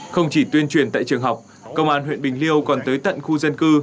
không chỉ tuyên truyền tại trường học công an huyện bình liêu còn tới tận khu dân cư